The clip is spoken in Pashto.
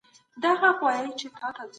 او د بل عیب همېشه د کلي منځ دی